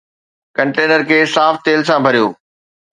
Container کي صاف تيل سان ڀريو.